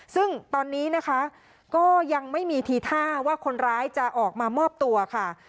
ซึ่งตอนนี้นะคะก็ยังไม่มีทีท่าว่าคนร้ายจะออกมามอบตัวค่ะ